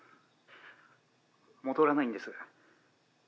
戻らないんです。